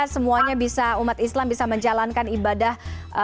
semuanya bisa umat islam bisa menjalankan ibadah